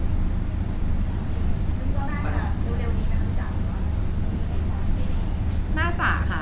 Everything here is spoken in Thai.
เพราะเป็นสามีภรรยาแล้วจ๋า